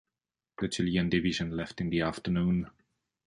The Chilean division left in the afternoon.